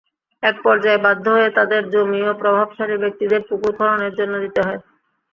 একপর্যায়ে বাধ্য হয়ে তাঁদের জমিও প্রভাবশালী ব্যক্তিদের পুকুর খননের জন্য দিতে হয়।